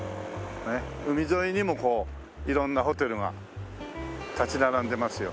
海沿いにもこう色んなホテルが立ち並んでますよ。